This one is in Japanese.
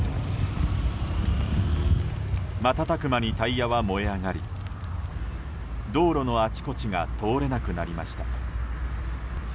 瞬く間にタイヤは燃え上がり道路のあちこちが通れなくなりました。